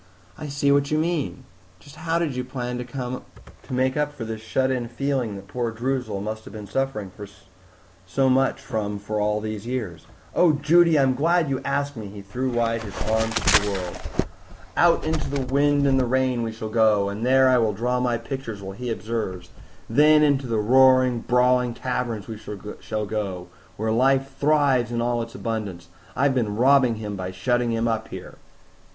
"I see what you mean. Just how did you plan to make up for this shut in feeling that poor Droozle must have been suffering so much from for all these years?" "Oh, Judy, I'm so glad you asked me!" He threw wide his arms to the world. "Out into the wind and the rain we shall go, and there I will draw my pictures while he observes; then into the roaring, brawling taverns we shall go, where life thrives in all its abundance. I've been robbing him by shutting him up here."